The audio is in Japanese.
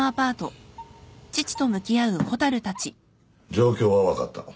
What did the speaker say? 状況は分かった。